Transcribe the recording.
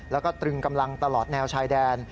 แล้วก็ตรึงกำลังตลอดแนวชายแดน